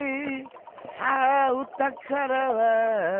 さあおたからはどこだ？